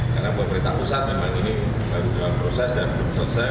karena pemerintah pusat memang ini baru dalam proses dan belum selesai